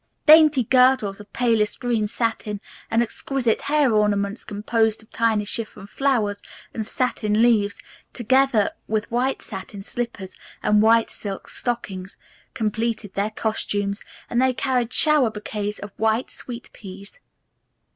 Dainty girdles of palest green satin and exquisite hair ornaments composed of tiny chiffon flowers and satin leaves, together with white satin slippers and white silk stockings, completed their costumes, and they carried shower bouquets of white sweet peas.